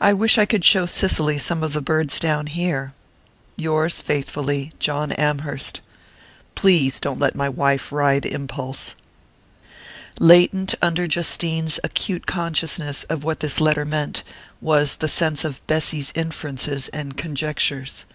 I wish I could show Cicely some of the birds down here. "Yours faithfully, "John Amherst. "Please don't let my wife ride Impulse." Latent under Justine's acute consciousness of what this letter meant, was the sense of Bessy's inferences and conjectures.